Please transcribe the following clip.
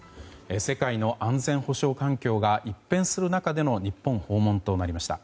世界の安全保障環境が一変する中での日本訪問となりました。